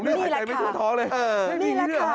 ผมผ่ายใจไม่เจอท้องเลย